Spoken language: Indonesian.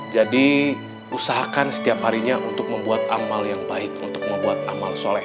usahakan setiap harinya untuk membuat amal yang baik untuk membuat amal soleh